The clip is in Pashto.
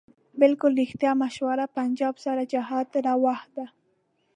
بلکل ريښتيا مشره پنجاب سره جهاد رواح دی